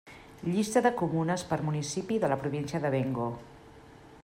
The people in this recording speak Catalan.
Llista de comunes per municipi de la província de Bengo.